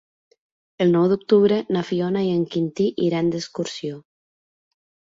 El nou d'octubre na Fiona i en Quintí iran d'excursió.